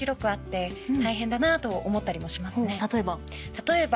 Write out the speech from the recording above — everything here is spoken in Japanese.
例えば？